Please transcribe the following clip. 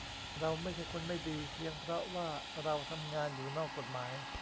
เราไม่ใช่คนไม่ดีเพียงเพราะว่าเราทำงานอยู่นอกกฎหมาย